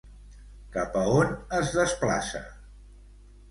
Cap a on es desplaça?